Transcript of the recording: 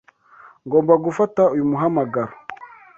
Ngomba gufata uyu muhamagaro.